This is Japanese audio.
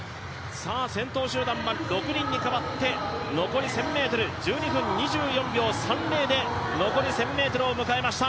先頭集団は６人に変わって残り１０００ｍ、１２分２４秒３０で、残り１０００ｍを迎えました。